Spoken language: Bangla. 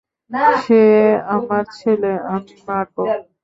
সে আমার ছেলে, আমি মারব।